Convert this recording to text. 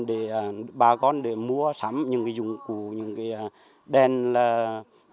để bà con mua sắm những dụng cụ những đèn pinh hoặc là đèn năng lượng